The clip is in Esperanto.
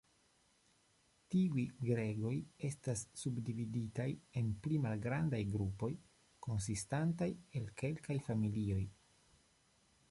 Tiuj gregoj estas subdividitaj en pli malgrandaj grupoj konsistantaj el kelkaj familioj.